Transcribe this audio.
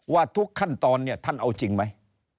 ว่าทุกขั้นตอนเนี่ยท่านเอาจริงไหม